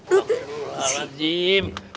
ya allah rajim